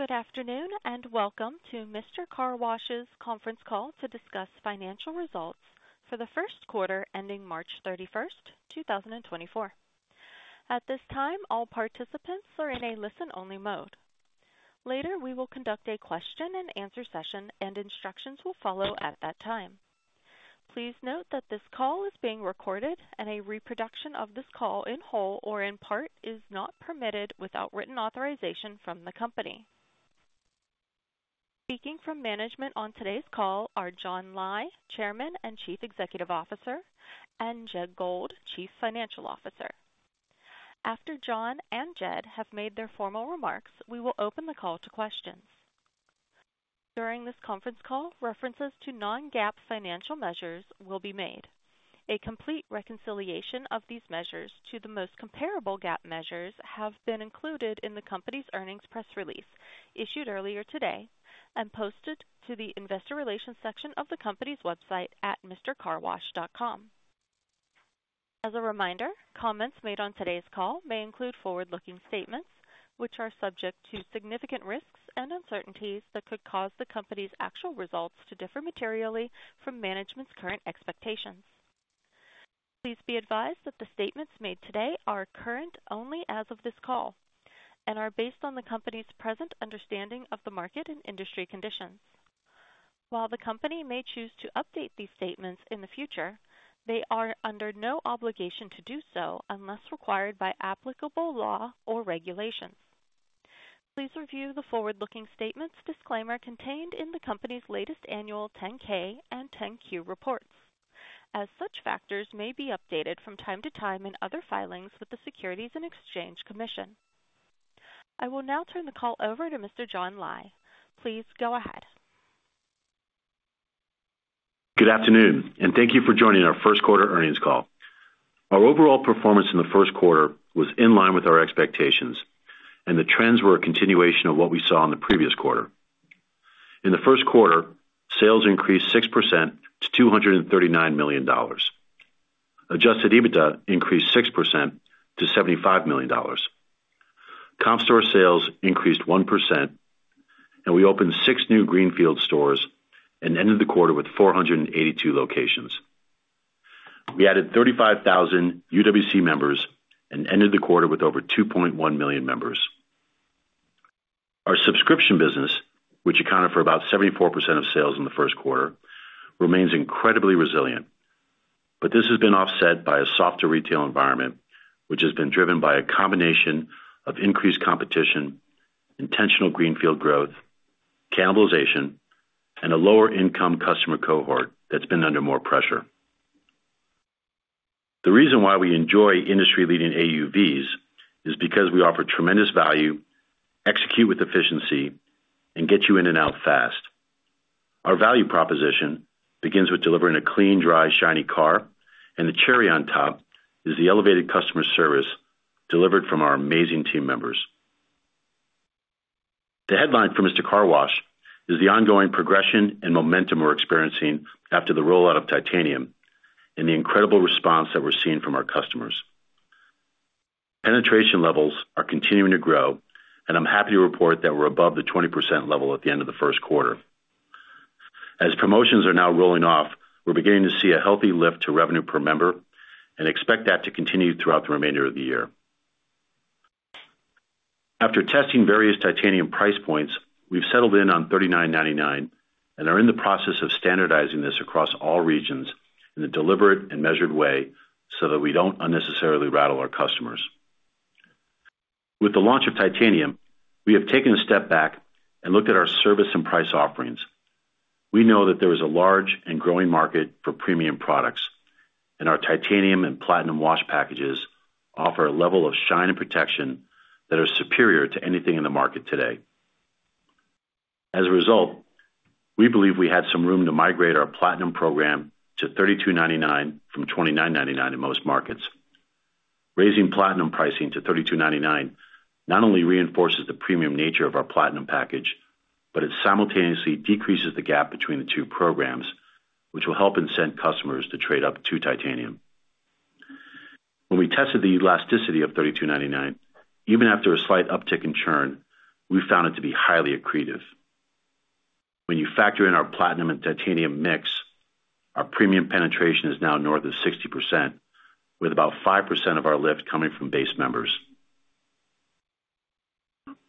Good afternoon, and welcome to Mister Car Wash's conference call to discuss financial results for the Q1 ending March 31, 2024. At this time, all participants are in a listen-only mode. Later, we will conduct a question-and-answer session and instructions will follow at that time. Please note that this call is being recorded, and a reproduction of this call, in whole or in part, is not permitted without written authorization from the company. Speaking from management on today's call are John Lai, Chairman and Chief Executive Officer, and Jed Gold, Chief Financial Officer. After John and Jed have made their formal remarks, we will open the call to questions. During this conference call, references to non-GAAP financial measures will be made. A complete reconciliation of these measures to the most comparable GAAP measures has been included in the company's earnings press release, issued earlier today and posted to the investor relations section of the company's website at mistercarwash.com. As a reminder, comments made on today's call may include forward-looking statements, which are subject to significant risks and uncertainties that could cause the company's actual results to differ materially from management's current expectations. Please be advised that the statements made today are current only as of this call and are based on the company's present understanding of the market and industry conditions. While the company may choose to update these statements in the future, they are under no obligation to do so unless required by applicable law or regulations. Please review the forward-looking statements disclaimer contained in the company's latest annual 10-K and 10-Q reports, as such factors may be updated from time to time in other filings with the Securities and Exchange Commission. I will now turn the call over to Mr. John Lai. Please go ahead. Good afternoon, and thank you for joining our Q1 earnings call. Our overall performance in the Q1 was in line with our expectations, and the trends were a continuation of what we saw in the previous quarter. In the Q1, sales increased 6% to $239 million. Adjusted EBITDA increased 6% to $75 million. Comp store sales increased 1%, and we opened 6 new greenfield stores and ended the quarter with 482 locations. We added 35,000 UWC members and ended the quarter with over 2.1 million members. Our subscription business, which accounted for about 74% of sales in the Q1, remains incredibly resilient, but this has been offset by a softer retail environment, which has been driven by a combination of increased competition, intentional greenfield growth, cannibalization, and a lower-income customer cohort that's been under more pressure. The reason why we enjoy industry-leading AUVs is because we offer tremendous value, execute with efficiency, and get you in and out fast. Our value proposition begins with delivering a clean, dry, shiny car, and the cherry on top is the elevated customer service delivered from our amazing team members. The headline for Mister Car Wash is the ongoing progression and momentum we're experiencing after the rollout of Titanium and the incredible response that we're seeing from our customers. Penetration levels are continuing to grow, and I'm happy to report that we're above the 20% level at the end of the Q1. As promotions are now rolling off, we're beginning to see a healthy lift to revenue per member and expect that to continue throughout the remainder of the year. After testing various Titanium price points, we've settled in on $39.99 and are in the process of standardizing this across all regions in a deliberate and measured way so that we don't unnecessarily rattle our customers. With the launch of Titanium, we have taken a step back and looked at our service and price offerings. We know that there is a large and growing market for premium products, and our Titanium and Platinum wash packages offer a level of shine and protection that are superior to anything in the market today. As a result, we believe we had some room to migrate our Platinum program to $32.99 from $29.99 in most markets. Raising Platinum pricing to $32.99 not only reinforces the premium nature of our Platinum package, but it simultaneously decreases the gap between the two programs, which will help incent customers to trade up to Titanium. When we tested the elasticity of $32.99, even after a slight uptick in churn, we found it to be highly accretive. When you factor in our Platinum and Titanium mix, our premium penetration is now north of 60%, with about 5% of our lift coming from base members.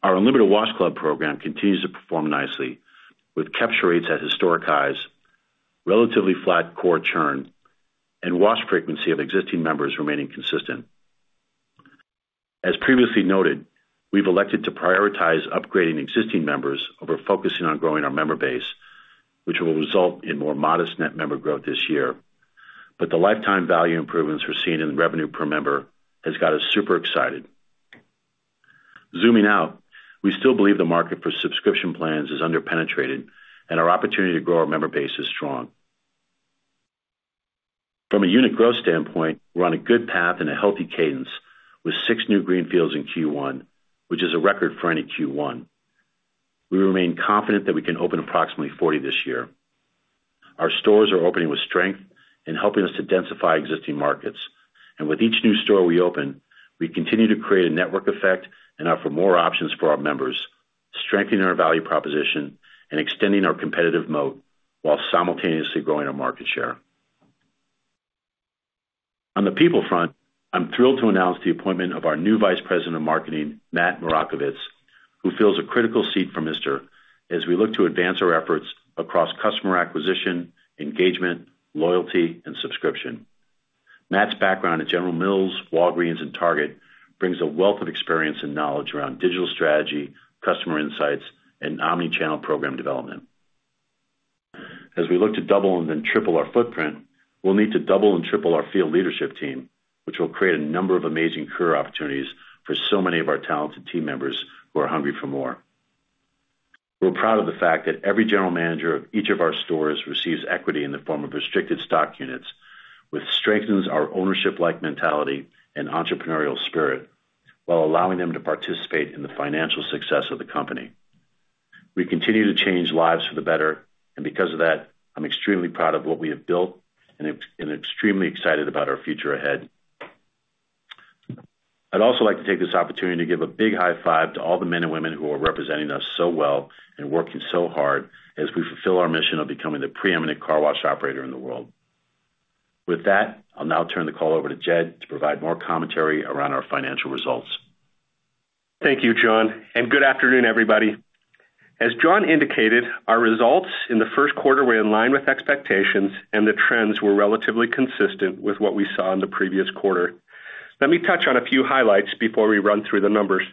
Our Unlimited Wash Club program continues to perform nicely, with capture rates at historic highs, relatively flat core churn, and wash frequency of existing members remaining consistent. As previously noted, we've elected to prioritize upgrading existing members over focusing on growing our member base, which will result in more modest net member growth this year. But the lifetime value improvements we're seeing in revenue per member has got us super excited. Zooming out, we still believe the market for subscription plans is underpenetrated and our opportunity to grow our member base is strong. From a unit growth standpoint, we're on a good path and a healthy cadence with 6 new greenfields in Q1, which is a record for any Q1. We remain confident that we can open approximately 40 this year.... Our stores are opening with strength and helping us to densify existing markets. With each new store we open, we continue to create a network effect and offer more options for our members, strengthening our value proposition and extending our competitive moat, while simultaneously growing our market share. On the people front, I'm thrilled to announce the appointment of our new Vice President of Marketing, Matt Marakovitz, who fills a critical seat for Mister as we look to advance our efforts across customer acquisition, engagement, loyalty, and subscription. Matt's background at General Mills, Walgreens, and Target brings a wealth of experience and knowledge around digital strategy, customer insights, and omni-channel program development. As we look to double and then triple our footprint, we'll need to double and triple our field leadership team, which will create a number of amazing career opportunities for so many of our talented team members who are hungry for more. We're proud of the fact that every general manager of each of our stores receives equity in the form of restricted stock units, which strengthens our ownership-like mentality and entrepreneurial spirit, while allowing them to participate in the financial success of the company. We continue to change lives for the better, and because of that, I'm extremely proud of what we have built and extremely excited about our future ahead. I'd also like to take this opportunity to give a big high five to all the men and women who are representing us so well and working so hard as we fulfill our mission of becoming the preeminent car wash operator in the world. With that, I'll now turn the call over to Jed to provide more commentary around our financial results. Thank you, John, and good afternoon, everybody. As John indicated, our results in the Q1 were in line with expectations, and the trends were relatively consistent with what we saw in the previous quarter. Let me touch on a few highlights before we run through the numbers.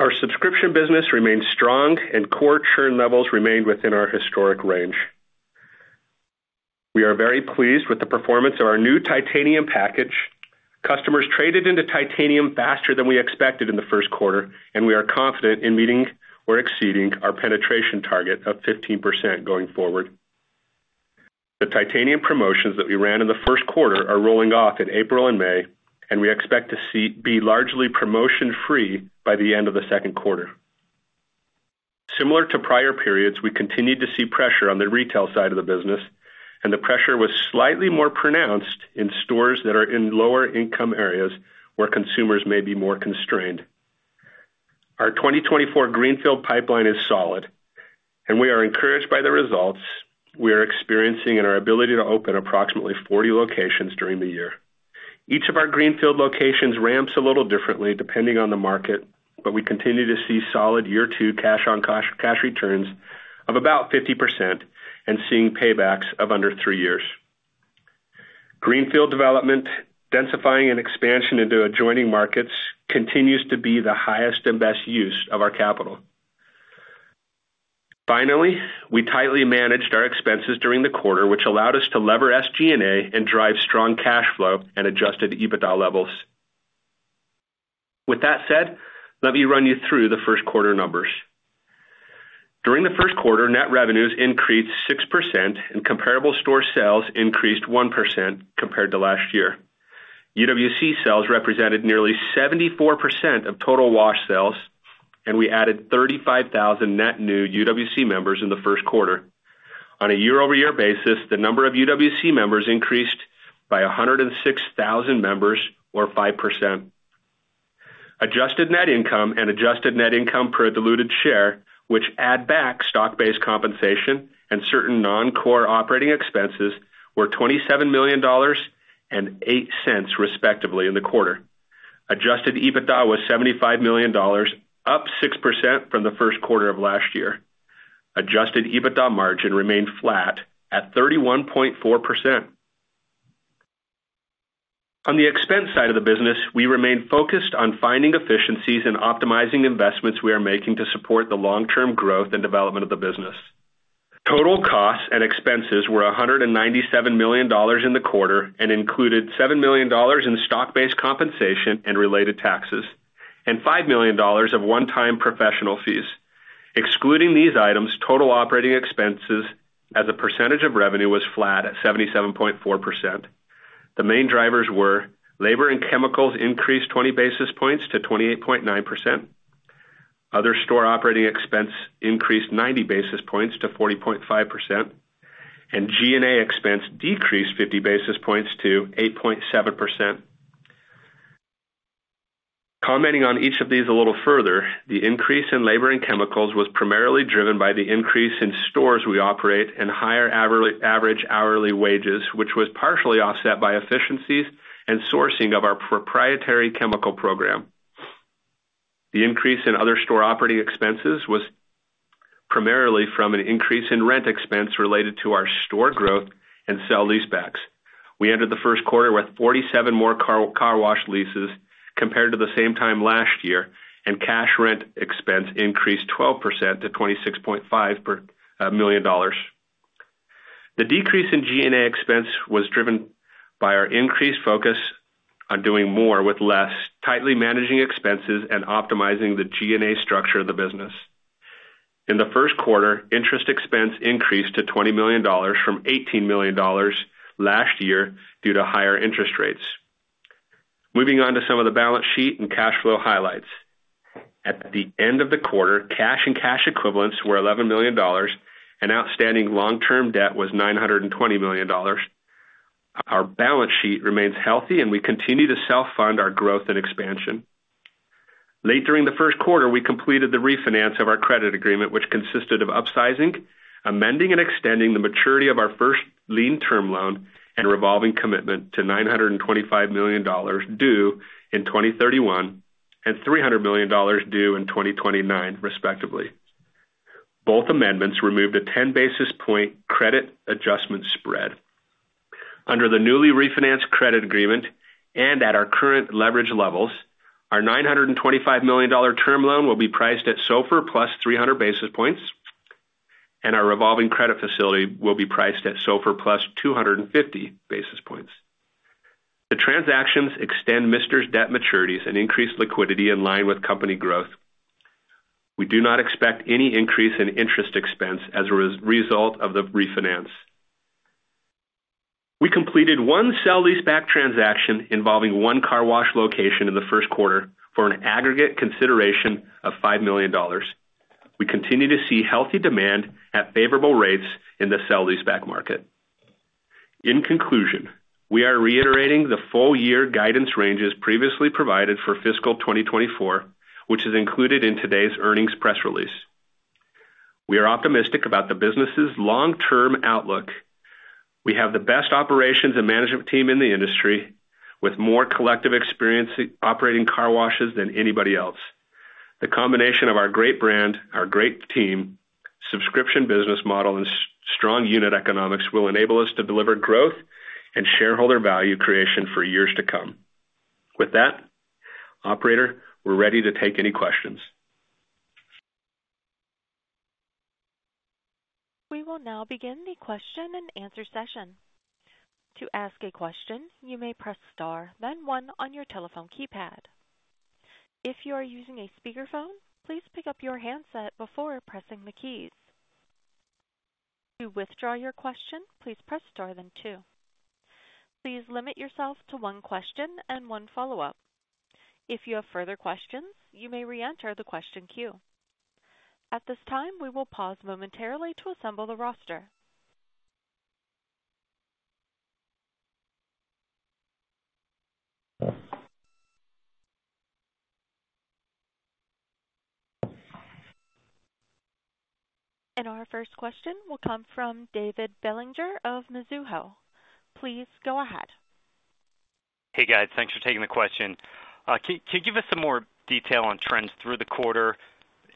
Our subscription business remains strong, and core churn levels remained within our historic range. We are very pleased with the performance of our new Titanium package. Customers traded into Titanium faster than we expected in the Q1, and we are confident in meeting or exceeding our penetration target of 15% going forward. The Titanium promotions that we ran in the Q1 are rolling off in April and May, and we expect to be largely promotion-free by the end of the Q2. Similar to prior periods, we continued to see pressure on the retail side of the business, and the pressure was slightly more pronounced in stores that are in lower-income areas where consumers may be more constrained. Our 2024 greenfield pipeline is solid, and we are encouraged by the results we are experiencing in our ability to open approximately 40 locations during the year. Each of our greenfield locations ramps a little differently, depending on the market, but we continue to see solid year 2 cash-on-cash cash returns of about 50% and seeing paybacks of under 3 years. Greenfield development, densifying and expansion into adjoining markets, continues to be the highest and best use of our capital. Finally, we tightly managed our expenses during the quarter, which allowed us to lever SG&A and drive strong cash flow and adjusted EBITDA levels. With that said, let me run you through the Q1 numbers. During the Q1, net revenues increased 6% and comparable store sales increased 1% compared to last year. UWC sales represented nearly 74% of total wash sales, and we added 35,000 net new UWC members in the Q1. On a year-over-year basis, the number of UWC members increased by 106,000 members or 5%. Adjusted net income and adjusted net income per diluted share, which add back stock-based compensation and certain non-core operating expenses, were $27 million and $0.08, respectively, in the quarter. Adjusted EBITDA was $75 million, up 6% from the Q1 of last year. Adjusted EBITDA margin remained flat at 31.4%. On the expense side of the business, we remain focused on finding efficiencies and optimizing investments we are making to support the long-term growth and development of the business. Total costs and expenses were $197 million in the quarter and included $7 million in stock-based compensation and related taxes, and $5 million of one-time professional fees. Excluding these items, total operating expenses as a percentage of revenue was flat at 77.4%. The main drivers were: labor and chemicals increased 20 basis points to 28.9%, other store operating expense increased 90 basis points to 40.5%, and G&A expense decreased 50 basis points to 8.7%. Commenting on each of these a little further, the increase in labor and chemicals was primarily driven by the increase in stores we operate and higher average hourly wages, which was partially offset by efficiencies and sourcing of our proprietary chemical program. The increase in other store operating expenses was primarily from an increase in rent expense related to our store growth and sell-leasebacks. We entered the Q1 with 47 more car wash leases compared to the same time last year, and cash rent expense increased 12% to $26.5 million. The decrease in G&A expense was driven by our increased focus on doing more with less, tightly managing expenses, and optimizing the G&A structure of the business. In the Q1, interest expense increased to $20 million from $18 million last year due to higher interest rates. Moving on to some of the balance sheet and cash flow highlights. At the end of the quarter, cash and cash equivalents were $11 million, and outstanding long-term debt was $920 million. Our balance sheet remains healthy and we continue to self-fund our growth and expansion. Late during the Q1, we completed the refinance of our credit agreement, which consisted of upsizing, amending, and extending the maturity of our first lien term loan and revolving commitment to $925 million due in 2031, and $300 million due in 2029, respectively. Both amendments removed a ten basis point credit adjustment spread. Under the newly refinanced credit agreement, and at our current leverage levels, our $925 million term loan will be priced at SOFR plus 300 basis points, and our revolving credit facility will be priced at SOFR plus 250 basis points. The transactions extend Mister's debt maturities and increase liquidity in line with company growth. We do not expect any increase in interest expense as a result of the refinance. We completed 1 sell-leaseback transaction involving one car wash location in the Q1 for an aggregate consideration of $5 million. We continue to see healthy demand at favorable rates in the sell-leaseback market. In conclusion, we are reiterating the full year guidance ranges previously provided for fiscal 2024, which is included in today's earnings press release. We are optimistic about the business's long-term outlook. We have the best operations and management team in the industry, with more collective experience operating car washes than anybody else. The combination of our great brand, our great team, subscription business model, and strong unit economics will enable us to deliver growth and shareholder value creation for years to come. With that, operator, we're ready to take any questions. We will now begin the question and answer session. To ask a question, you may press Star, then one on your telephone keypad. If you are using a speakerphone, please pick up your handset before pressing the keys. To withdraw your question, please press Star, then two. Please limit yourself to one question and one follow-up. If you have further questions, you may reenter the question queue. At this time, we will pause momentarily to assemble the roster. Our first question will come from David Bellinger of Mizuho. Please go ahead. Hey, guys. Thanks for taking the question. Can you give us some more detail on trends through the quarter?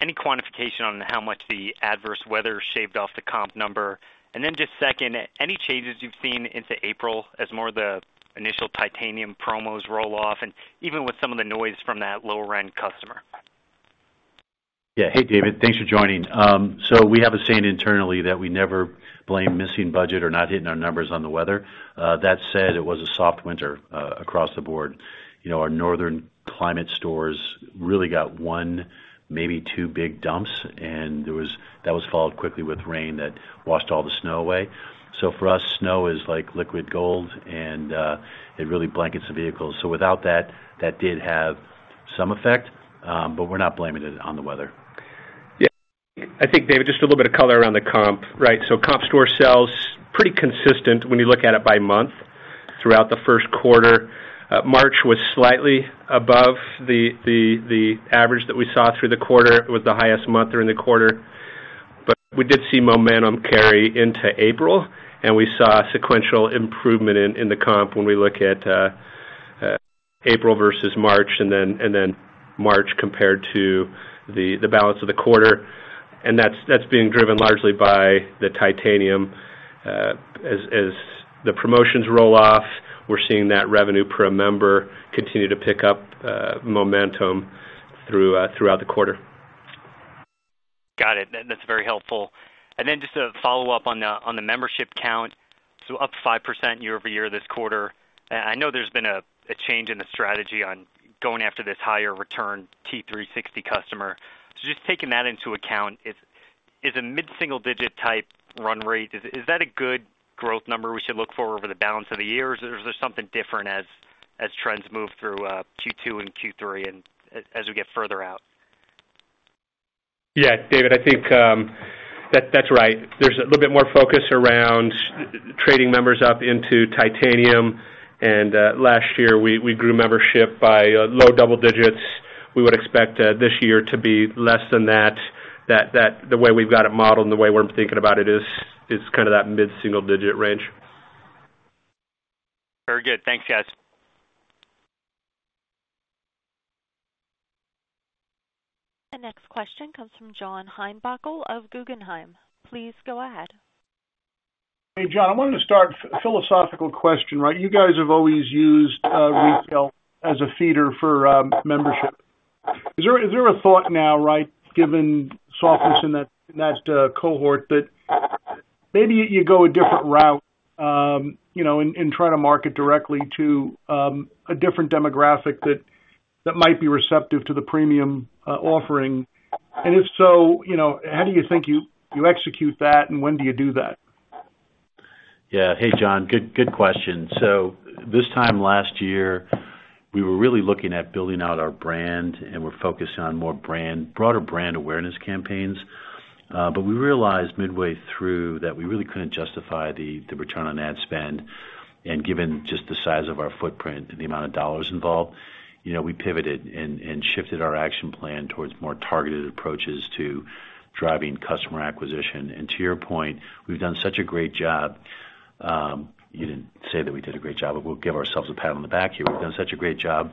Any quantification on how much the adverse weather shaved off the comp number? And then just second, any changes you've seen into April as more of the initial Titanium promos roll off, and even with some of the noise from that lower-end customer? Yeah. Hey, David. Thanks for joining. So we have a saying internally that we never blame missing budget or not hitting our numbers on the weather. That said, it was a soft winter, across the board. You know, our Northern climate stores really got one, maybe two big dumps, and there was that was followed quickly with rain that washed all the snow away. So for us, snow is like liquid gold, and it really blankets the vehicles. So without that, that did have some effect, but we're not blaming it on the weather. Yeah. I think, David, just a little bit of color around the comp, right? So comp store sales pretty consistent when you look at it by month throughout the Q1. March was slightly above the average that we saw through the quarter, with the highest month during the quarter. But we did see momentum carry into April, and we saw sequential improvement in the comp when we look at April versus March, and then March compared to the balance of the quarter. And that's being driven largely by the Titanium. As the promotions roll off, we're seeing that revenue per member continue to pick up momentum through throughout the quarter. Got it. That's very helpful. And then just to follow up on the membership count, so up 5% year-over-year this quarter. I know there's been a change in the strategy on going after this higher return T360 customer. So just taking that into account, is a mid-single digit type run rate a good growth number we should look for over the balance of the year, or is there something different as trends move through Q2 and Q3 and as we get further out? Yeah, David, I think that's right. There's a little bit more focus around trading members up into Titanium. And last year, we grew membership by low double digits. We would expect this year to be less than that, the way we've got it modeled and the way we're thinking about it is kind of that mid-single digit range. Very good. Thanks, guys. The next question comes from John Heinbockel of Guggenheim. Please go ahead. Hey, John, I wanted to start philosophical question, right? You guys have always used retail as a feeder for membership. Is there a thought now, right, given softness in that cohort, that maybe you go a different route, you know, and try to market directly to a different demographic that might be receptive to the premium offering? And if so, you know, how do you think you execute that, and when do you do that?... Yeah. Hey, John, good, good question. So this time last year, we were really looking at building out our brand, and we're focused on more brand-- broader brand awareness campaigns. But we realized midway through that we really couldn't justify the, the return on ad spend. And given just the size of our footprint and the amount of dollars involved, you know, we pivoted and, and shifted our action plan towards more targeted approaches to driving customer acquisition. And to your point, we've done such a great job. You didn't say that we did a great job, but we'll give ourselves a pat on the back here. We've done such a great job,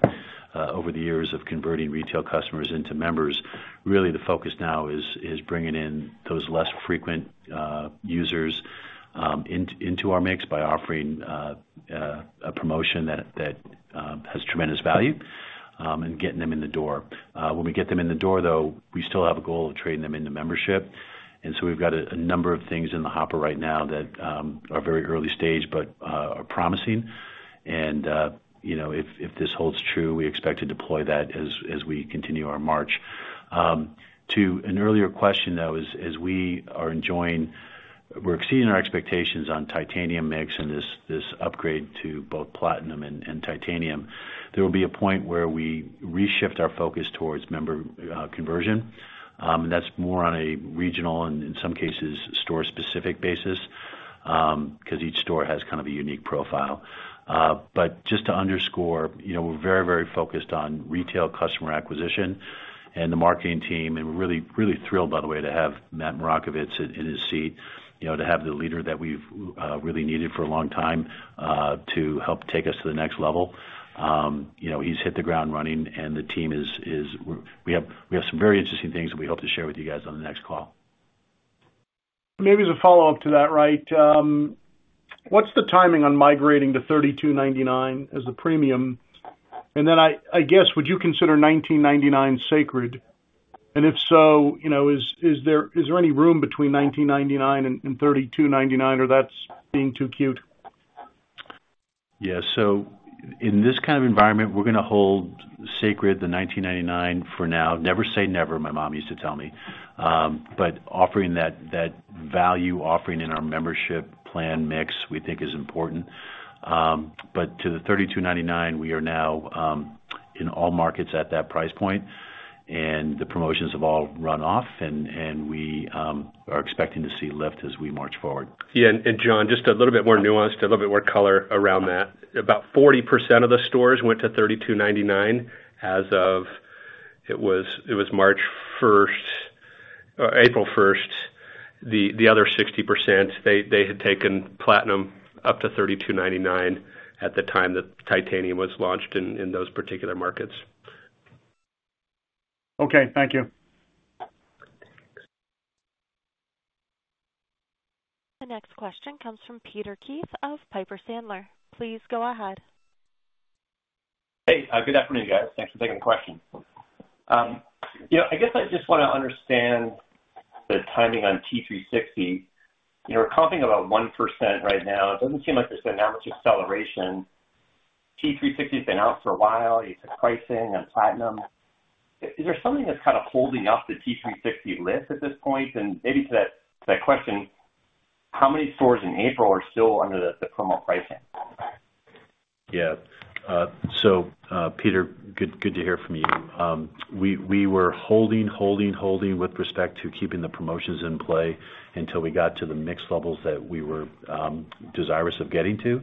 over the years of converting retail customers into members. Really, the focus now is bringing in those less frequent users into our mix by offering a promotion that has tremendous value and getting them in the door. When we get them in the door, though, we still have a goal of trading them into membership, and so we've got a number of things in the hopper right now that are very early stage but are promising. And you know, if this holds true, we expect to deploy that as we continue our march. To an earlier question, though, as we are enjoying, we're exceeding our expectations on Titanium mix and this upgrade to both Platinum and Titanium, there will be a point where we reshift our focus towards member conversion. And that's more on a regional and in some cases, store-specific basis, 'cause each store has kind of a unique profile. But just to underscore, you know, we're very, very focused on retail customer acquisition and the marketing team, and we're really, really thrilled, by the way, to have Matt Marakovitz in his seat, you know, to have the leader that we've really needed for a long time to help take us to the next level. You know, he's hit the ground running, and the team is – we're, we have some very interesting things that we hope to share with you guys on the next call. Maybe as a follow-up to that, right? What's the timing on migrating to $32.99 as a premium? And then, I guess, would you consider $19.99 sacred? And if so, you know, is there any room between $19.99 and $32.99, or that's being too cute? Yeah. So in this kind of environment, we're gonna hold sacred the $19.99 for now. Never say never, my mom used to tell me. But offering that, that value offering in our membership plan mix, we think is important. But to the $32.99, we are now, in all markets at that price point, and the promotions have all run off and, and we, are expecting to see lift as we march forward. Yeah, and John, just a little bit more nuanced, a little bit more color around that. About 40% of the stores went to $32.99 as of... It was March 1st or April 1st. The other 60%, they had taken Platinum up to $32.99 at the time that Titanium was launched in those particular markets. Okay, thank you. The next question comes from Peter Keith of Piper Sandler. Please go ahead. Hey, good afternoon, guys. Thanks for taking the question. Yeah, I guess I just wanna understand the timing on T-360. You know, we're comping about 1% right now. It doesn't seem like there's been that much acceleration. T-360 has been out for a while, you said pricing on Platinum. Is there something that's kind of holding up the T-360 lift at this point? And maybe to that question, how many stores in April are still under the promo pricing? Yeah. So, Peter, good to hear from you. We were holding with respect to keeping the promotions in play until we got to the mix levels that we were desirous of getting to.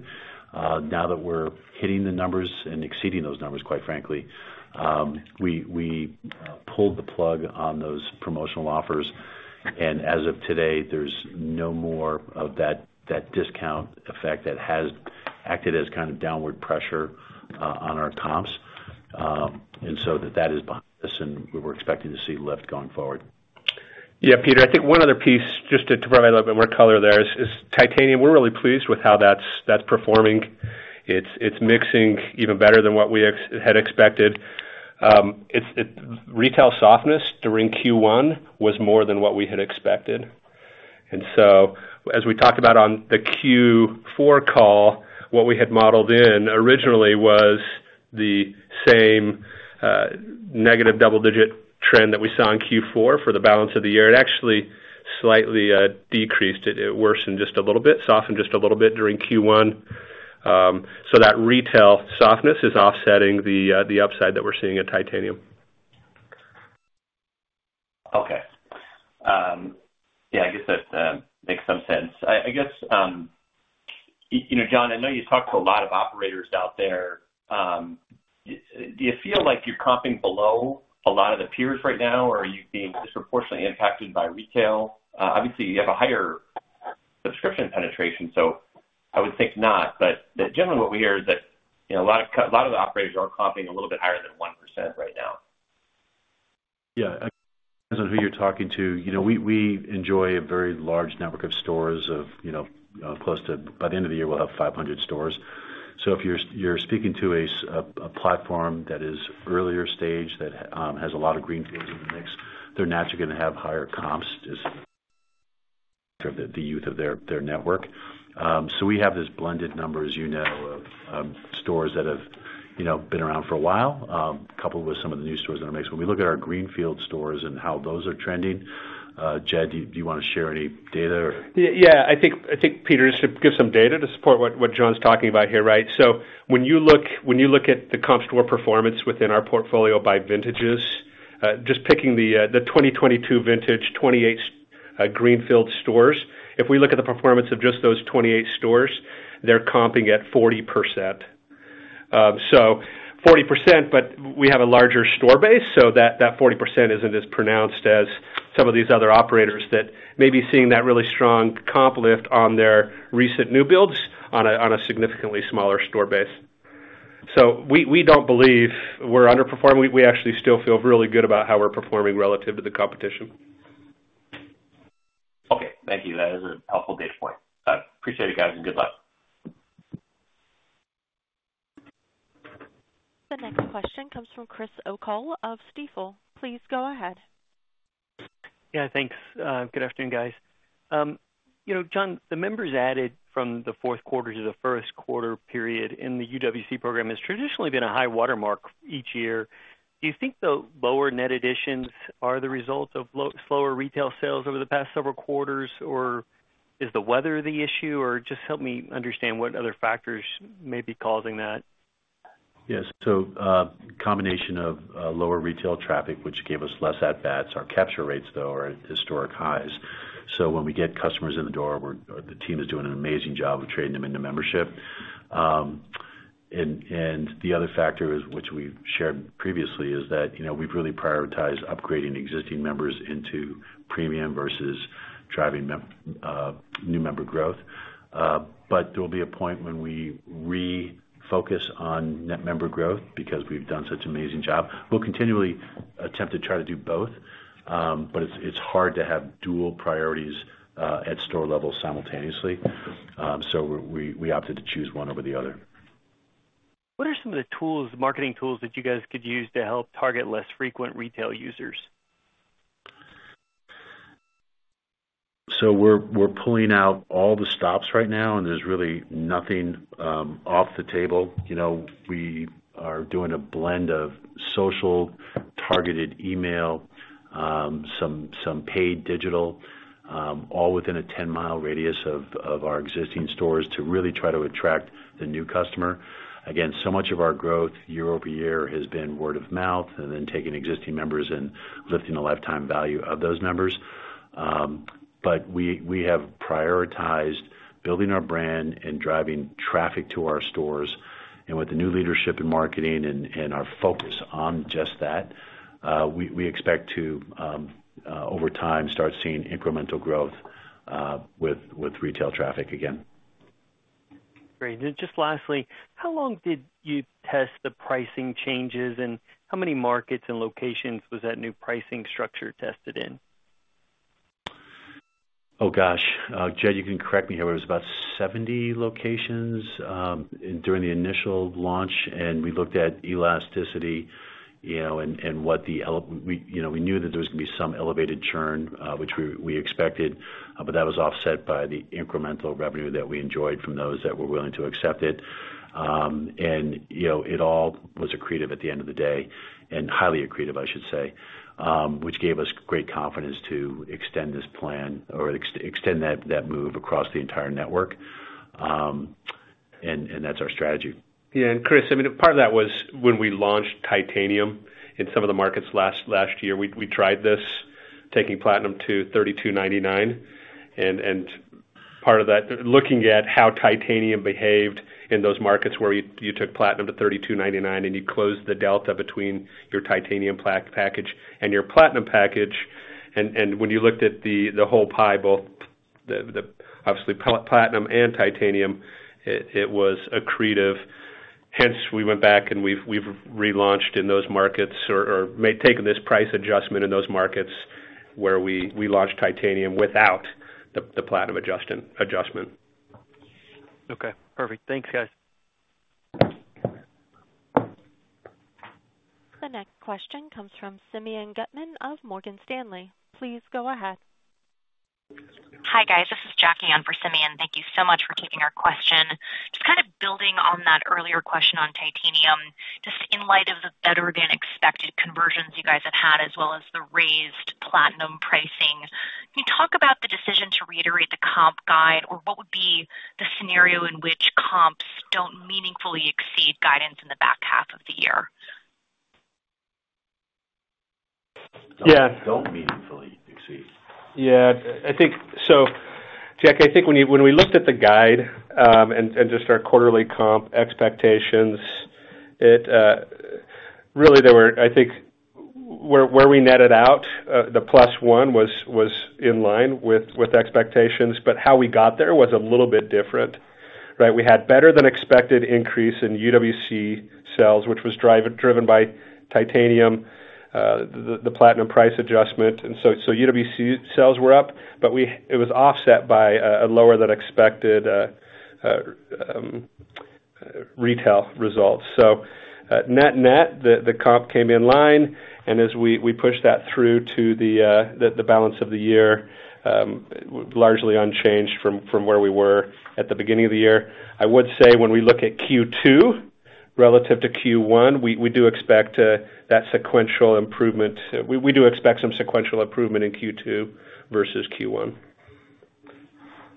Now that we're hitting the numbers and exceeding those numbers, quite frankly, we pulled the plug on those promotional offers, and as of today, there's no more of that discount effect that has acted as kind of downward pressure on our comps. And so that is behind us, and we were expecting to see lift going forward. Yeah, Peter, I think one other piece, just to provide a little bit more color there is Titanium. We're really pleased with how that's performing. It's mixing even better than what we had expected. Retail softness during Q1 was more than what we had expected. And so as we talked about on the Q4 call, what we had modeled in originally was the same negative double-digit trend that we saw in Q4 for the balance of the year. It actually slightly decreased. It worsened just a little bit, softened just a little bit during Q1. So that retail softness is offsetting the upside that we're seeing at Titanium. Okay. Yeah, I guess that makes some sense. I guess, you know, John, I know you talk to a lot of operators out there. Do you feel like you're comping below a lot of the peers right now, or are you being disproportionately impacted by retail? Obviously, you have a higher subscription penetration, so I would think not. But generally, what we hear is that, you know, a lot of the operators are comping a little bit higher than 1% right now. Yeah, depends on who you're talking to. You know, we enjoy a very large network of stores of, you know, close to, by the end of the year, we'll have 500 stores. So if you're speaking to a platform that is earlier stage, that has a lot of greenfields in the mix, they're naturally gonna have higher comps as the youth of their network. So we have this blended number, as you know, of stores that have, you know, been around for a while, coupled with some of the new stores in our mix. When we look at our greenfield stores and how those are trending, Jed, do you want to share any data? Yeah, I think, Peter, just to give some data to support what John's talking about here, right? So when you look at the comp store performance within our portfolio by vintages, just picking the 2022 vintage, 28 greenfield stores, if we look at the performance of just those 28 stores, they're comping at 40%. So 40%, but we have a larger store base, so that 40% isn't as pronounced as some of these other operators that may be seeing that really strong comp lift on their recent new builds on a significantly smaller store base. So we don't believe we're underperforming. We actually still feel really good about how we're performing relative to the competition. Okay. Thank you. That is a helpful data point. Appreciate it, guys, and good luck. The next question comes from Chris O'Cull of Stifel. Please go ahead. Yeah, thanks. Good afternoon, guys. You know, John, the members added from the Q4 to the Q1 period in the UWC program has traditionally been a high watermark each year. Do you think the lower net additions are the results of slower retail sales over the past several quarters, or is the weather the issue, or just help me understand what other factors may be causing that? Yes. So, combination of lower retail traffic, which gave us less at bats. Our capture rates, though, are at historic highs. So when we get customers in the door, we're the team is doing an amazing job of turning them into membership. And the other factor is, which we've shared previously, is that, you know, we've really prioritized upgrading existing members into premium versus driving new member growth. But there will be a point when we refocus on net member growth because we've done such an amazing job. We'll continually attempt to try to do both, but it's hard to have dual priorities at store level simultaneously. So we opted to choose one over the other. What are some of the tools, marketing tools that you guys could use to help target less frequent retail users? So we're pulling out all the stops right now, and there's really nothing off the table. You know, we are doing a blend of social, targeted email, some paid digital, all within a 10-mile radius of our existing stores to really try to attract the new customer. Again, so much of our growth year-over-year has been word of mouth, and then taking existing members and lifting the lifetime value of those members. But we have prioritized building our brand and driving traffic to our stores, and with the new leadership in marketing and our focus on just that, we expect to, over time, start seeing incremental growth with retail traffic again. Great. And just lastly, how long did you test the pricing changes, and how many markets and locations was that new pricing structure tested in? Oh, gosh. Jed, you can correct me here. It was about 70 locations during the initial launch, and we looked at elasticity, you know, and we, you know, we knew that there was going to be some elevated churn, which we expected, but that was offset by the incremental revenue that we enjoyed from those that were willing to accept it. And, you know, it all was accretive at the end of the day, and highly accretive, I should say, which gave us great confidence to extend this plan or extend that move across the entire network. And that's our strategy. Yeah, and Chris, I mean, part of that was when we launched Titanium in some of the markets last year. We tried this, taking Platinum to $32.99, and part of that, looking at how Titanium behaved in those markets where you took Platinum to $32.99, and you closed the delta between your Titanium package and your Platinum package. And when you looked at the whole pie, both the obviously Platinum and Titanium, it was accretive. Hence, we went back and we've relaunched in those markets or have taken this price adjustment in those markets where we launched Titanium without the Platinum adjustment. Okay, perfect. Thanks, guys. The next question comes from Simeon Gutman of Morgan Stanley. Please go ahead. Hi, guys, this is Jackie on for Simeon. Thank you so much for taking our question. Just kind of building on that earlier question on Titanium. Just in light of the better-than-expected conversions you guys have had, as well as the raised Platinum pricing, can you talk about the decision to reiterate the comp guide, or what would be the scenario in which comps don't meaningfully exceed guidance in the back half of the year? Yeah. Don't meaningfully exceed. Yeah, I think so, Jack. I think when we looked at the guide and just our quarterly comp expectations, it really there were. I think where we netted out, the +1 was in line with expectations, but how we got there was a little bit different, right? We had better-than-expected increase in UWC sales, which was driven by Titanium, the Platinum price adjustment. And so UWC sales were up, but we it was offset by a lower-than-expected retail results. So net net, the comp came in line, and as we push that through to the balance of the year, largely unchanged from where we were at the beginning of the year. I would say when we look at Q2-... Relative to Q1, we do expect that sequential improvement. We do expect some sequential improvement in Q2 versus Q1.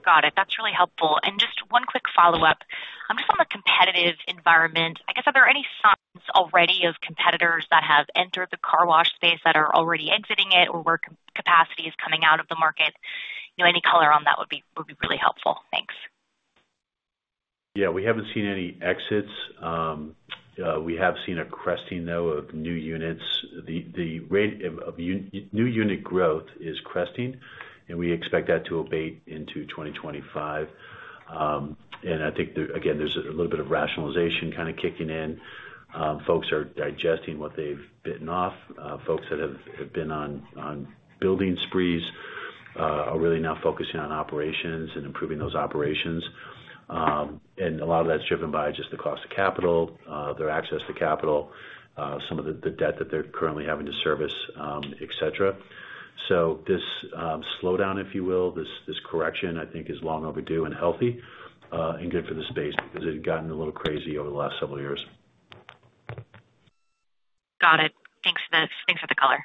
Got it. That's really helpful. And just one quick follow-up. Just on the competitive environment, I guess, are there any signs already of competitors that have entered the car wash space that are already exiting it or where capacity is coming out of the market? You know, any color on that would be, would be really helpful. Thanks. Yeah, we haven't seen any exits. We have seen a cresting, though, of new units. The rate of new unit growth is cresting, and we expect that to abate into 2025. And I think there—again, there's a little bit of rationalization kind of kicking in. Folks are digesting what they've bitten off. Folks that have been on building sprees are really now focusing on operations and improving those operations. And a lot of that's driven by just the cost of capital, their access to capital, some of the debt that they're currently having to service, et cetera. So this slowdown, if you will, this correction, I think, is long overdue and healthy, and good for the space because it had gotten a little crazy over the last several years. Got it. Thanks for the color.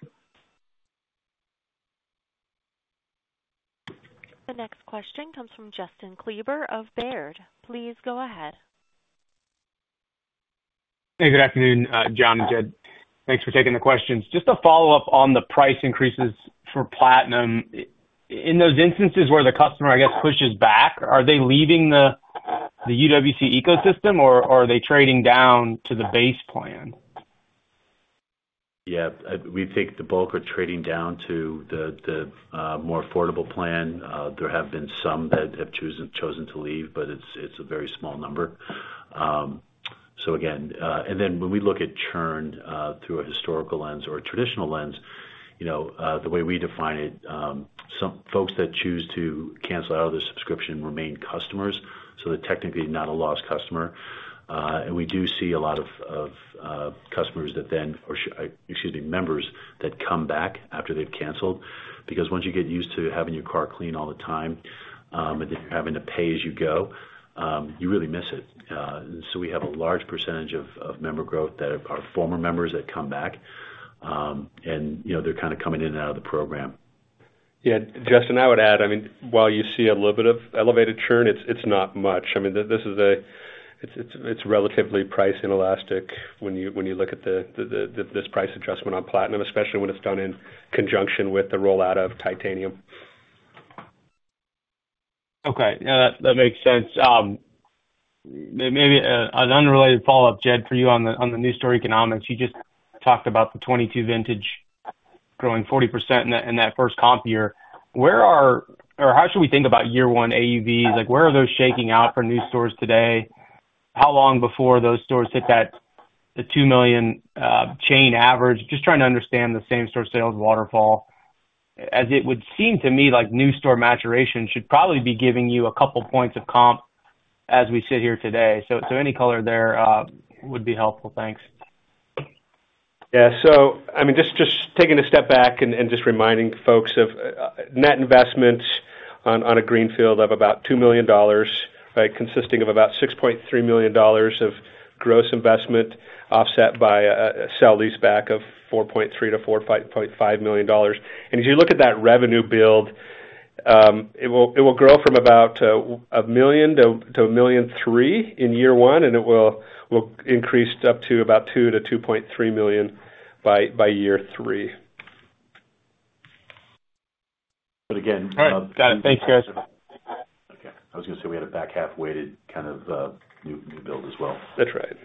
The next question comes from Justin Kleber of Baird. Please go ahead. Hey, good afternoon, John and Jed. Thanks for taking the questions. Just a follow-up on the price increases for Platinum. In those instances where the customer, I guess, pushes back, are they leaving the UWC ecosystem or are they trading down to the base plan? Yeah, we think the bulk are trading down to the more affordable plan. There have been some that have chosen to leave, but it's a very small number. So again, and then when we look at churn through a historical lens or a traditional lens, you know, the way we define it, some folks that choose to cancel out of their subscription remain customers, so they're technically not a lost customer. And we do see a lot of customers that then, excuse me, members that come back after they've canceled, because once you get used to having your car clean all the time, and then having to pay as you go, you really miss it. So we have a large percentage of member growth that are former members that come back, and, you know, they're kind of coming in and out of the program. Yeah, Justin, I would add, I mean, while you see a little bit of elevated churn, it's not much. I mean, it's relatively price inelastic when you look at this price adjustment on Platinum, especially when it's done in conjunction with the rollout of Titanium. Okay. Yeah, that, that makes sense. Maybe an unrelated follow-up, Jed, for you on the new store economics. You just talked about the 2022 vintage growing 40% in that, in that first comp year. Where are... or how should we think about year-one AUVs? Like, where are those shaking out for new stores today? How long before those stores hit that, the $2 million chain average? Just trying to understand the same-store sales waterfall. As it would seem to me, like, new store maturation should probably be giving you a couple points of comp as we sit here today. So any color there would be helpful. Thanks. Yeah. So, I mean, just taking a step back and just reminding folks of net investment on a greenfield of about $2 million, right? Consisting of about $6.3 million of gross investment, offset by a sell-leaseback of $4.3 million-$4.5 million. And as you look at that revenue build, it will grow from about $1 million to $1.3 million in year one, and it will increase up to about $2 million-$2.3 million by year three. But again- All right. Got it. Thanks, guys. Okay. I was gonna say we had a back half weighted kind of new build as well. That's right.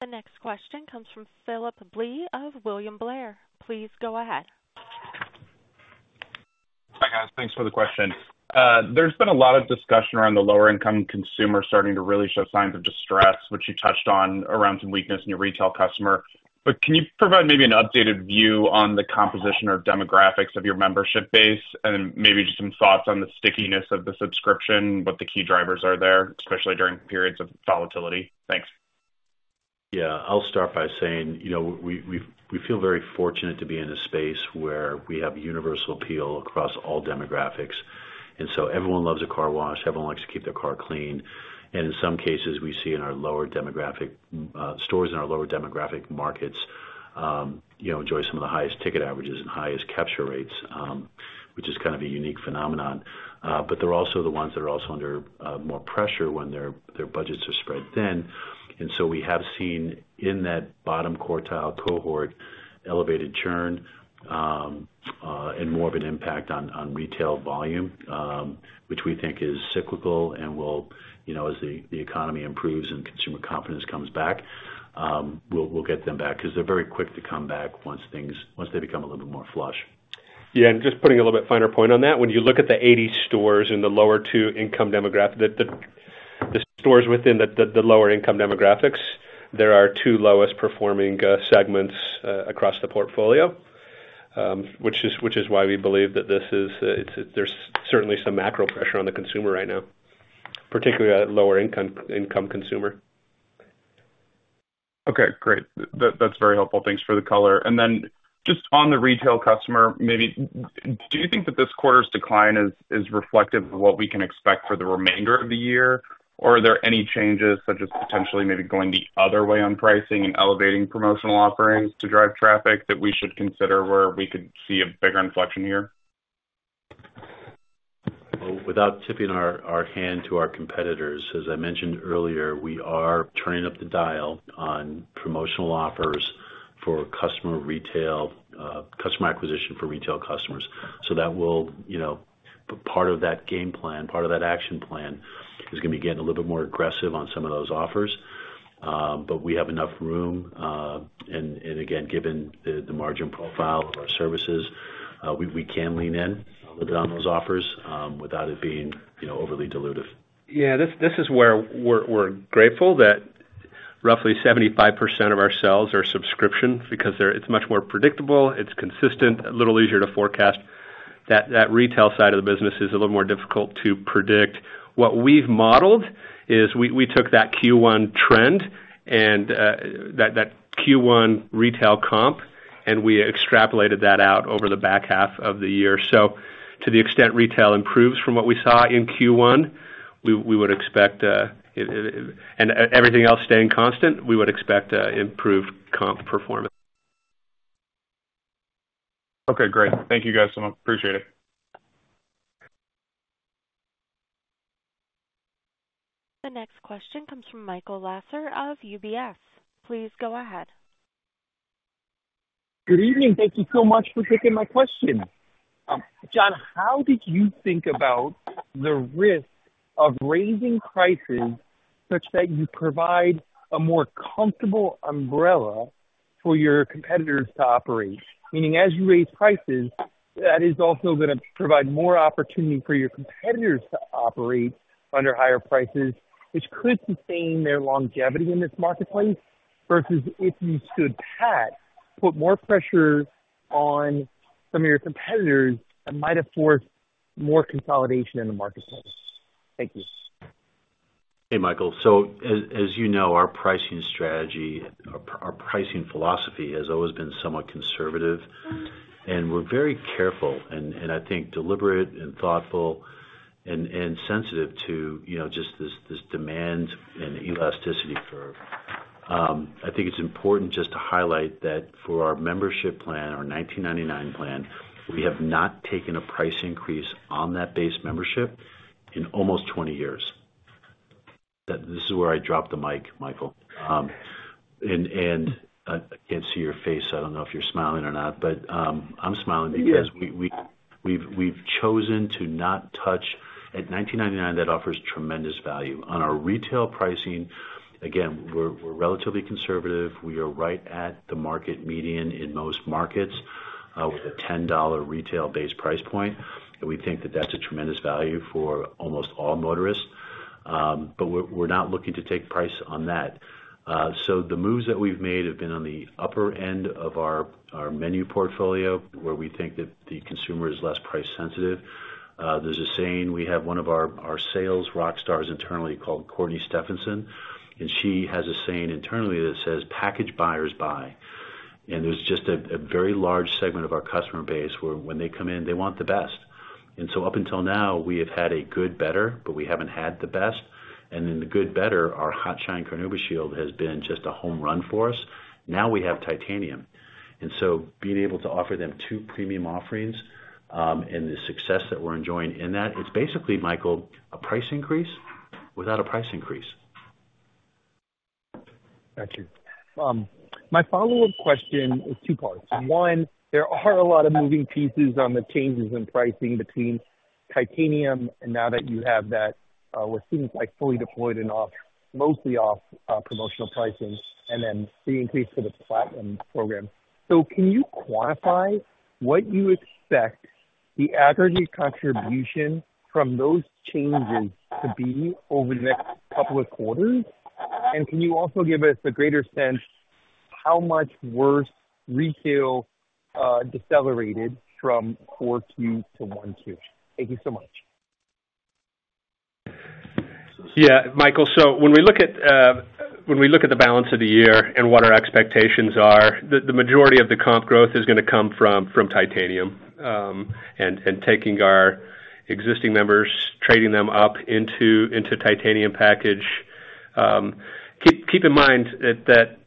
The next question comes from Phillip Blee of William Blair. Please go ahead. Hi, guys. Thanks for the question. There's been a lot of discussion around the lower income consumer starting to really show signs of distress, which you touched on around some weakness in your retail customer. But can you provide maybe an updated view on the composition or demographics of your membership base, and maybe just some thoughts on the stickiness of the subscription, what the key drivers are there, especially during periods of volatility? Thanks. Yeah. I'll start by saying, you know, we feel very fortunate to be in a space where we have universal appeal across all demographics. And so everyone loves a car wash, everyone likes to keep their car clean. And in some cases, we see in our lower demographic stores in our lower demographic markets, you know, enjoy some of the highest ticket averages and highest capture rates, which is kind of a unique phenomenon. But they're also the ones that are also under more pressure when their budgets are spread thin. And so we have seen in that bottom quartile cohort elevated churn and more of an impact on retail volume, which we think is cyclical and will, you know, as the economy improves and consumer confidence comes back, we'll get them back, 'cause they're very quick to come back once they become a little bit more flush. Yeah, and just putting a little bit finer point on that, when you look at the 80 stores in the lower two income demographic, the stores within the lower income demographics, there are two lowest performing segments across the portfolio, which is why we believe that this is, there's certainly some macro pressure on the consumer right now, particularly at lower income consumer.... Okay, great. That, that's very helpful. Thanks for the color. And then just on the retail customer, maybe, do you think that this quarter's decline is, is reflective of what we can expect for the remainder of the year? Or are there any changes, such as potentially maybe going the other way on pricing and elevating promotional offerings to drive traffic that we should consider where we could see a bigger inflection here? Well, without tipping our hand to our competitors, as I mentioned earlier, we are turning up the dial on promotional offers for customer retail, customer acquisition for retail customers. So that will, you know, part of that game plan, part of that action plan is gonna be getting a little bit more aggressive on some of those offers. But we have enough room, and again, given the margin profile of our services, we can lean in on those offers, without it being, you know, overly dilutive. Yeah, this is where we're grateful that roughly 75% of our sales are subscription because they're, it's much more predictable, it's consistent, a little easier to forecast. That retail side of the business is a little more difficult to predict. What we've modeled is we took that Q1 trend and that Q1 retail comp, and we extrapolated that out over the back half of the year. So to the extent retail improves from what we saw in Q1, we would expect, and everything else staying constant, we would expect improved comp performance. Okay, great. Thank you, guys, so much. Appreciate it. The next question comes from Michael Lasser of UBS. Please go ahead. Good evening. Thank you so much for taking my question. John, how did you think about the risk of raising prices such that you provide a more comfortable umbrella for your competitors to operate? Meaning, as you raise prices, that is also gonna provide more opportunity for your competitors to operate under higher prices, which could sustain their longevity in this marketplace, versus if you stood pat, put more pressure on some of your competitors that might have forced more consolidation in the marketplace. Thank you. Hey, Michael. So as you know, our pricing strategy, our pricing philosophy has always been somewhat conservative, and we're very careful and I think deliberate and thoughtful and sensitive to, you know, just this demand and elasticity curve. I think it's important just to highlight that for our membership plan, our $19.99 plan, we have not taken a price increase on that base membership in almost 20 years. That this is where I drop the mic, Michael. And I can't see your face. I don't know if you're smiling or not, but I'm smiling because we've chosen to not touch $19.99, that offers tremendous value. On our retail pricing, again, we're relatively conservative. We are right at the market median in most markets, with a $10 retail base price point, and we think that that's a tremendous value for almost all motorists. But we're, we're not looking to take price on that. So the moves that we've made have been on the upper end of our, our menu portfolio, where we think that the consumer is less price sensitive. There's a saying, we have one of our, our sales rock stars internally called Courtney Stephenson, and she has a saying internally that says, "Package buyers buy." And there's just a, a very large segment of our customer base where when they come in, they want the best. And so up until now, we have had a good better, but we haven't had the best. In the good better, our HotShine Carnauba Shield has been just a home run for us. Now we have Titanium. And so being able to offer them two premium offerings, and the success that we're enjoying in that, is basically, Michael, a price increase without a price increase. Thank you. My follow-up question is two parts. One, there are a lot of moving pieces on the changes in pricing between Titanium and now that you have that, what seems like fully deployed and off... mostly off, promotional pricing, and then the increase for the Platinum program. So can you quantify what you expect the aggregate contribution from those changes to be over the next couple of quarters? And can you also give us a greater sense how much worse retail decelerated from 4Q to 1Q? Thank you so much. Yeah, Michael, so when we look at, when we look at the balance of the year and what our expectations are, the, the majority of the comp growth is gonna come from, from Titanium, and, and taking our existing members, trading them up into, into Titanium package. Keep, keep in mind that, that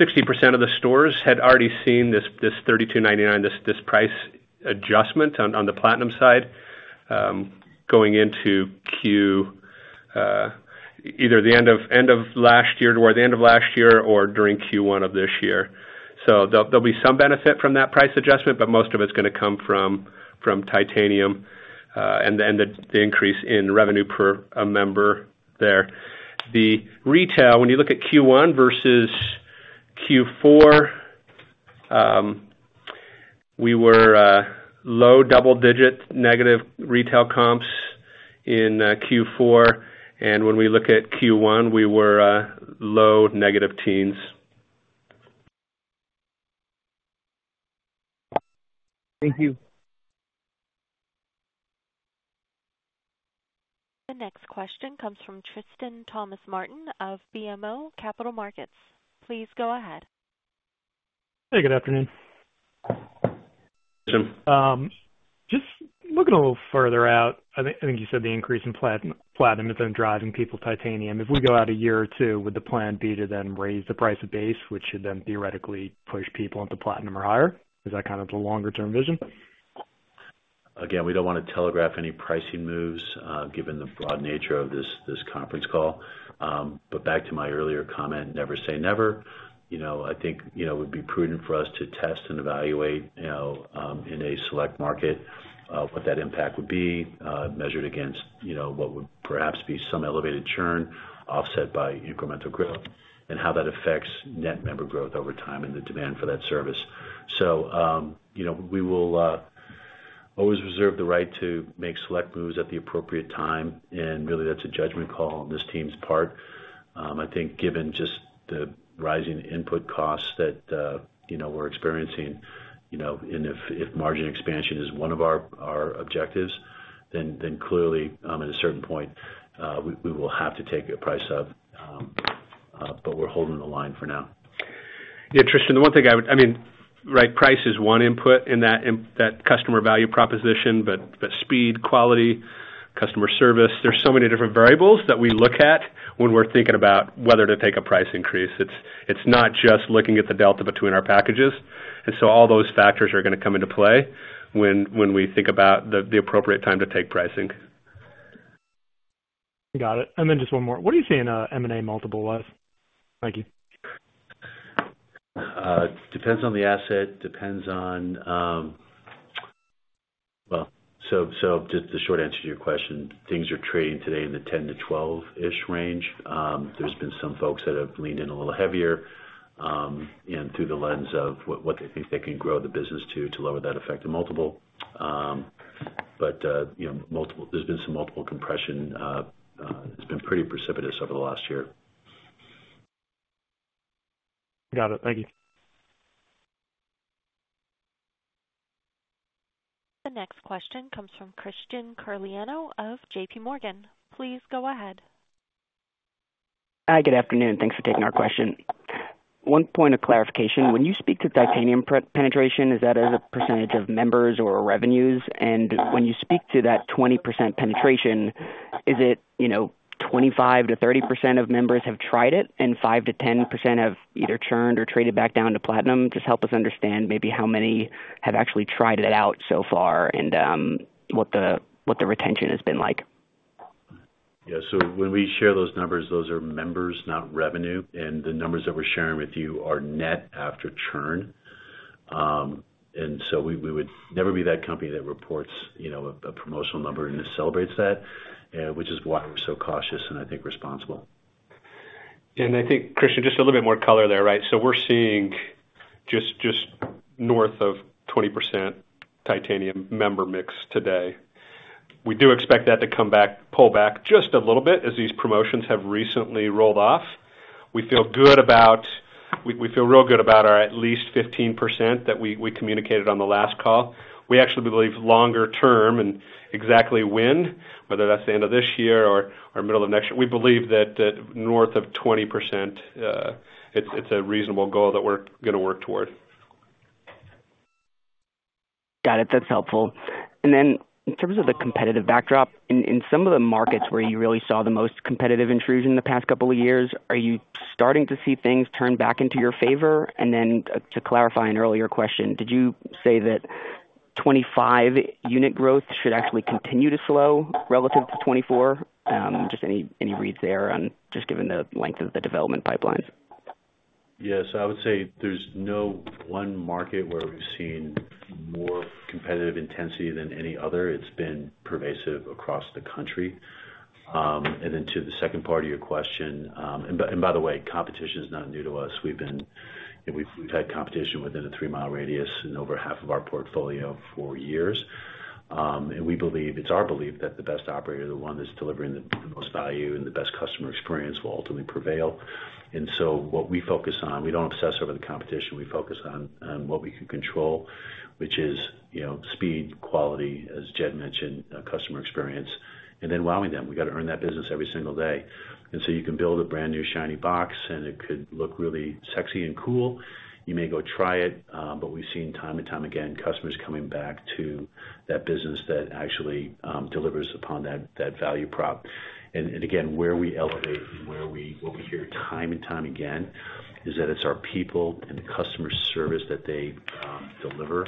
60% of the stores had already seen this, this $32.99, this, this price adjustment on, on the Platinum side, going into Q, either the end of, end of last year, toward the end of last year or during Q1 of this year. So there'll, there'll be some benefit from that price adjustment, but most of it's gonna come from, from Titanium, and then the, the increase in revenue per a member there. The retail, when you look at Q1 versus Q4, we were low double digit negative retail comps in Q4, and when we look at Q1, we were low negative teens. Thank you. The next question comes from Tristan Thomas-Martin of BMO Capital Markets. Please go ahead. Hey, good afternoon. Good afternoon. Just looking a little further out, I think you said the increase in Platinum, Platinum has been driving people Titanium. If we go out a year or two, would the plan be to then raise the price of Base, which should then theoretically push people into Platinum or higher? Is that kind of the longer term vision? Again, we don't want to telegraph any pricing moves, given the broad nature of this conference call. But back to my earlier comment, never say never. You know, I think, you know, it would be prudent for us to test and evaluate, you know, in a select market, what that impact would be, measured against, you know, what would perhaps be some elevated churn offset by incremental growth and how that affects net member growth over time and the demand for that service. So, you know, we will always reserve the right to make select moves at the appropriate time, and really, that's a judgment call on this team's part. I think, given just the rising input costs that, you know, we're experiencing, you know, and if margin expansion is one of our objectives, then clearly, at a certain point, we will have to take a price hike. But we're holding the line for now. Yeah, Tristan, the one thing I would... I mean, right, price is one input in that, in that customer value proposition, but, but speed, quality, customer service, there's so many different variables that we look at when we're thinking about whether to take a price increase. It's, it's not just looking at the delta between our packages, and so all those factors are gonna come into play when, when we think about the, the appropriate time to take pricing. Got it. And then just one more. What are you seeing, M&A multiple wise? Thank you. Depends on the asset. Depends on, well, so, so just the short answer to your question, things are trading today in the 10-12-ish range. There's been some folks that have leaned in a little heavier, and through the lens of what, what they think they can grow the business to, to lower that effect of multiple. But, you know, multiple, there's been some multiple compression. It's been pretty precipitous over the last year. Got it. Thank you. The next question comes from Christian Carlino of J.P. Morgan. Please go ahead. Good afternoon. Thanks for taking our question. One point of clarification, when you speak to Titanium pre-penetration, is that as a percentage of members or revenues? And when you speak to that 20% penetration, is it, you know, 25%-30% of members have tried it and 5%-10% have either churned or traded back down to Platinum? Just help us understand maybe how many have actually tried it out so far and what the retention has been like. Yeah. So when we share those numbers, those are members, not revenue. And the numbers that we're sharing with you are net after churn. And so we would never be that company that reports, you know, a promotional number and then celebrates that, which is why we're so cautious and I think responsible. And I think, Christian, just a little bit more color there, right? So we're seeing just north of 20% titanium member mix today. We do expect that to come back, pull back just a little bit as these promotions have recently rolled off. We feel good about—we feel real good about our at least 15% that we communicated on the last call. We actually believe longer term and exactly when, whether that's the end of this year or middle of next year, we believe that north of 20%, it's a reasonable goal that we're gonna work toward. Got it. That's helpful. Then in terms of the competitive backdrop, in some of the markets where you really saw the most competitive intrusion in the past couple of years, are you starting to see things turn back into your favor? Then to clarify an earlier question, did you say that 25 unit growth should actually continue to slow relative to 24? Just any reads there on just given the length of the development pipelines. Yes, I would say there's no one market where we've seen more competitive intensity than any other. It's been pervasive across the country. And then to the second part of your question, and by the way, competition is not new to us. We've had competition within a three-mile radius in over half of our portfolio for years. And we believe, it's our belief that the best operator is the one that's delivering the most value and the best customer experience will ultimately prevail. And so what we focus on, we don't obsess over the competition. We focus on what we can control, which is, you know, speed, quality, as Jed mentioned, customer experience, and then wowing them. We got to earn that business every single day. And so you can build a brand-new shiny box, and it could look really sexy and cool. You may go try it, but we've seen time and time again, customers coming back to that business that actually delivers upon that value prop. And again, where we elevate and where we what we hear time and time again is that it's our people and the customer service that they deliver.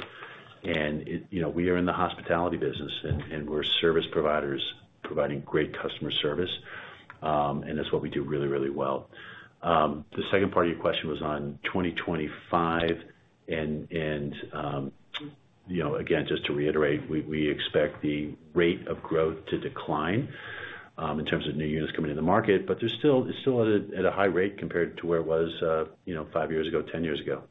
You know, we are in the hospitality business, and we're service providers providing great customer service, and that's what we do really, really well. The second part of your question was on 2025, and, you know, again, just to reiterate, we, we expect the rate of growth to decline in terms of new units coming into the market, but it's still at a, at a high rate compared to where it was, you know, 5 years ago, 10 years ago.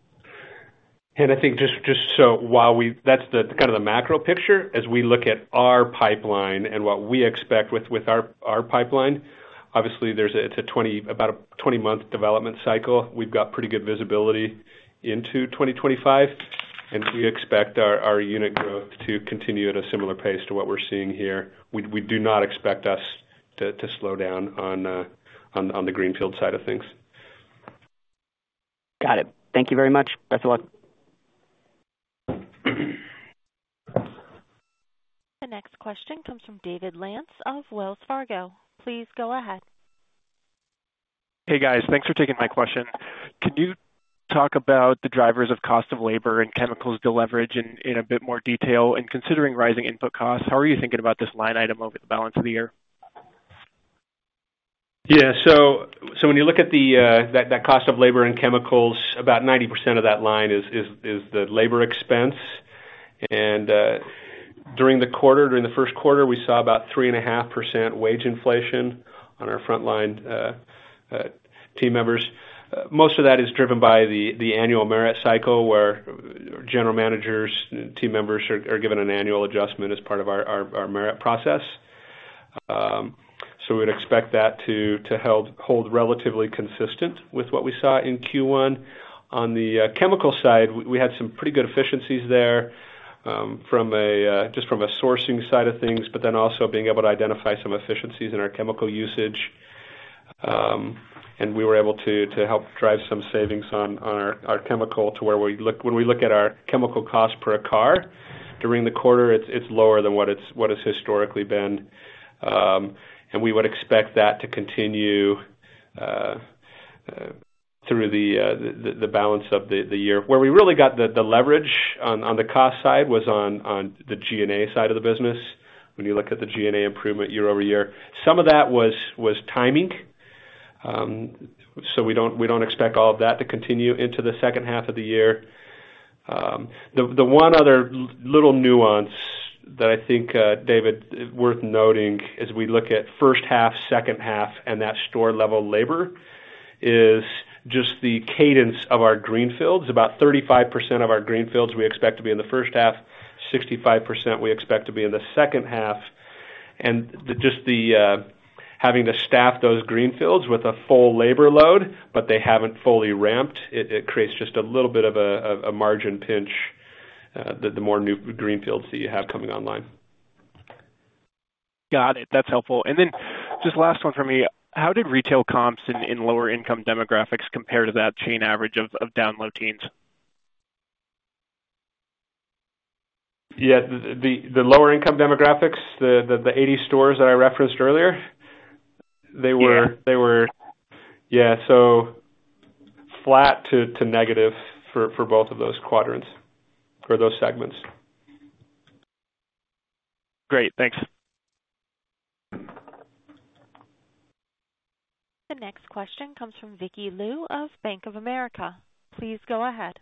And I think that's the kind of the macro picture as we look at our pipeline and what we expect with our pipeline. Obviously, there's—it's about a 20-month development cycle. We've got pretty good visibility into 2025, and we expect our unit growth to continue at a similar pace to what we're seeing here. We do not expect to slow down on the greenfield side of things. Got it. Thank you very much. That's all. The next question comes from David Lantz of Wells Fargo. Please go ahead. Hey, guys. Thanks for taking my question. Could you talk about the drivers of cost of labor and chemicals deleverage in a bit more detail? And considering rising input costs, how are you thinking about this line item over the balance of the year? Yeah, so when you look at that cost of labor and chemicals, about 90% of that line is the labor expense. And during the quarter, during the Q1, we saw about 3.5% wage inflation on our frontline team members. Most of that is driven by the annual merit cycle, where general managers and team members are given an annual adjustment as part of our merit process. So we'd expect that to hold relatively consistent with what we saw in Q1. On the chemical side, we had some pretty good efficiencies there, from just a sourcing side of things, but then also being able to identify some efficiencies in our chemical usage. And we were able to help drive some savings on our chemical to where, when we look at our chemical cost per a car, during the quarter, it's lower than what it's historically been. And we would expect that to continue through the balance of the year. Where we really got the leverage on the cost side was on the G&A side of the business. When you look at the G&A improvement year-over-year. Some of that was timing. So we don't expect all of that to continue into the second half of the year. The one other little nuance that I think, David, worth noting as we look at first half, second half, and that store-level labor, is just the cadence of our greenfields. About 35% of our greenfields, we expect to be in the first half, 65% we expect to be in the second half. And the just the having to staff those greenfields with a full labor load, but they haven't fully ramped, it creates just a little bit of a margin pinch, the more new greenfields that you have coming online. Got it. That's helpful. And then, just last one for me, how did retail comps in lower income demographics compare to that chain average of down low teens? Yeah, the lower income demographics, the 80 stores that I referenced earlier? Yeah. They were... Yeah, so flat to negative for both of those quadrants, for those segments. Great, thanks. The next question comes from Vicky Lu of Bank of America. Please go ahead.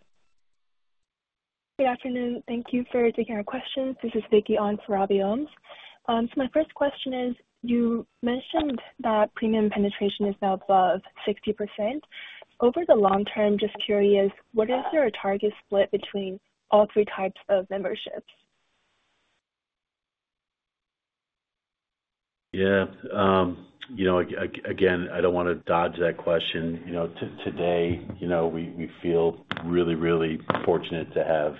Good afternoon. Thank you for taking our questions. This is Vicky Lu on for Robbie Ohmes. So my first question is, you mentioned that premium penetration is now above 60%. Over the long term, just curious, what is your target split between all three types of memberships? Yeah, you know, again, I don't wanna dodge that question. You know, today, you know, we feel really, really fortunate to have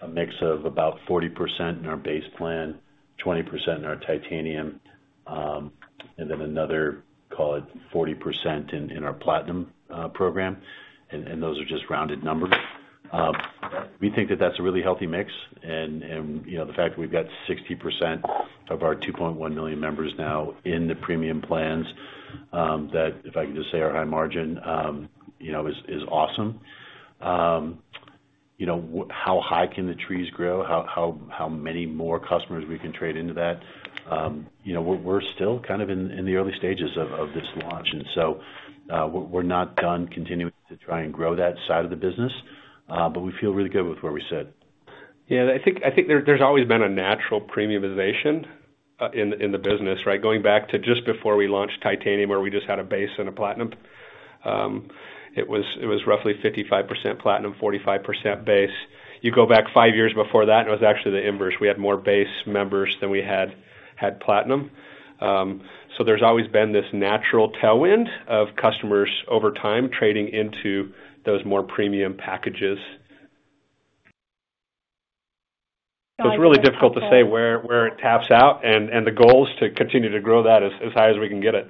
a mix of about 40% in our Base plan, 20% in our Titanium, and then another, call it 40% in our Platinum program, and those are just rounded numbers. We think that that's a really healthy mix, and, you know, the fact that we've got 60% of our 2.1 million members now in the premium plans, that, if I can just say, are high margin, you know, is awesome. You know, how high can the trees grow? How many more customers we can trade into that? You know, we're still kind of in the early stages of this launch, and so, we're not done continuing to try and grow that side of the business, but we feel really good with where we sit. Yeah, I think, I think there, there's always been a natural premiumization in the, in the business, right? Going back to just before we launched Titanium, where we just had a Base and a Platinum. It was, it was roughly 55% Platinum, 45% Base. You go back five years before that, and it was actually the inverse. We had more Base members than we had, had Platinum. So there's always been this natural tailwind of customers over time trading into those more premium packages. So it's really difficult to say where, where it taps out, and, and the goal is to continue to grow that as, as high as we can get it.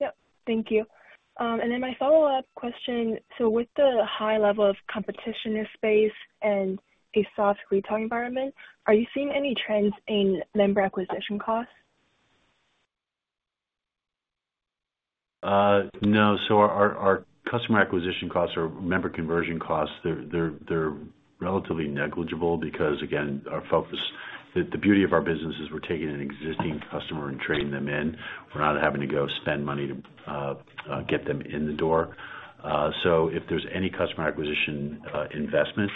Yep. Thank you. And then my follow-up question: So with the high level of competition in this space and a soft retail environment, are you seeing any trends in member acquisition costs? No. So our customer acquisition costs or member conversion costs, they're relatively negligible because, again, our focus... The beauty of our business is we're taking an existing customer and trading them in. We're not having to go spend money to get them in the door. So if there's any customer acquisition investment,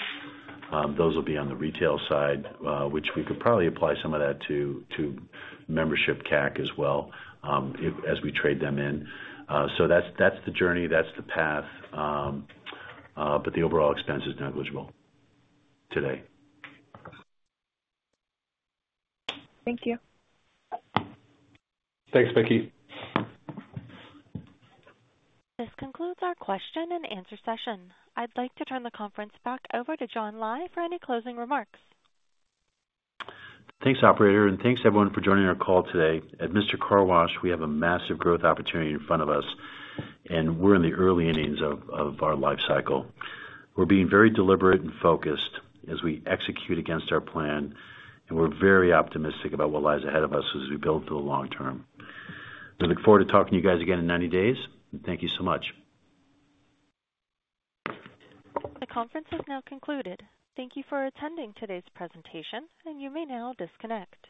those will be on the retail side, which we could probably apply some of that to membership CAC as well, if... as we trade them in. So that's the journey, that's the path, but the overall expense is negligible today. Thank you. Thanks, Vicky. This concludes our question and answer session. I'd like to turn the conference back over to John Lai for any closing remarks. Thanks, operator, and thanks everyone for joining our call today. At Mister Car Wash, we have a massive growth opportunity in front of us, and we're in the early innings of, of our life cycle. We're being very deliberate and focused as we execute against our plan, and we're very optimistic about what lies ahead of us as we build for the long term. We look forward to talking to you guys again in 90 days, and thank you so much. The conference has now concluded. Thank you for attending today's presentation, and you may now disconnect.